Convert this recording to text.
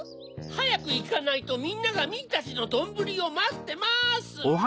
はやくいかないとみんながミーたちのどんぶりをまってます！